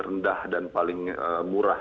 rendah dan paling murah